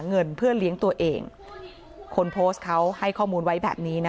เงินเพื่อเลี้ยงตัวเองคนโพสต์เขาให้ข้อมูลไว้แบบนี้นะคะ